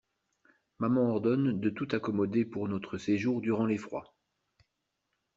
Maman ordonne de tout accommoder pour notre séjour durant les froids.